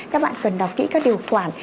các bạn cần đọc kỹ các điều quản